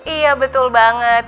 iya betul banget